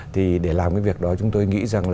thì để làm cái việc đó chúng tôi nghĩ rằng là